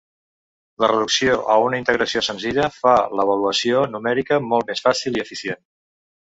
La reducció a una integració senzilla fa l'avaluació numèrica molt més fàcil i eficient.